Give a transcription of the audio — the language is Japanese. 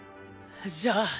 じゃあ。